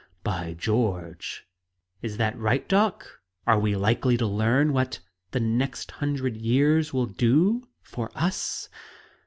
"By George! Is that right, doc? Are we likely to learn what the next hundred years will do for us?"